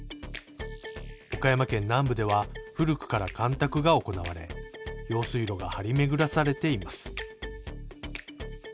岡山県南部では古くから干拓が行われ用水路が張り巡らされています